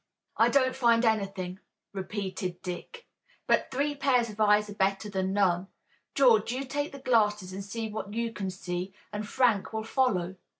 "I don't find anything," repeated Dick, "but three pairs of eyes are better than none. George, you take the glasses and see what you can see and Frank will follow."